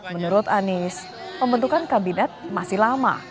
menurut anies pembentukan kabinet masih lama